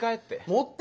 持って。